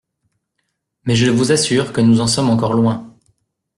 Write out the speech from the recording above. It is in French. Mais je vous assure que nous en sommes encore loin.